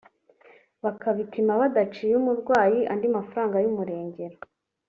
bakabipima badaciye umurwayi andi mafaranga y’umurengera